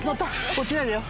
落ちないでよ